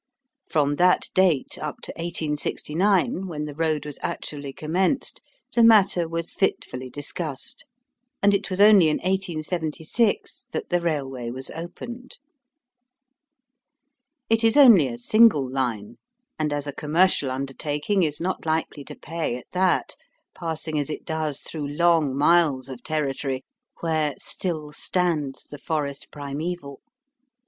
From that date up to 1869, when the road was actually commenced, the matter was fitfully discussed, and it was only in 1876 that the railway was opened. It is only a single line, and as a commercial undertaking is not likely to pay at that, passing as it does through long miles of territory where "still stands the forest primeval."